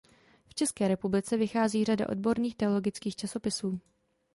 V České republice vychází řada odborných teologických časopisů.